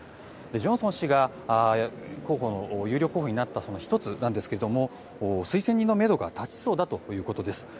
ジョンソン氏が有力候補になった１つなんですけれども推薦人のめどが立ちそうだということです。